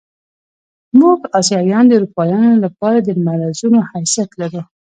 موږ اسیایان د اروپایانو له پاره د مرضونو حیثیت لرو.